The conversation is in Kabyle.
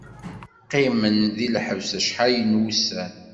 Qqimen di lḥebs acḥal n wussan.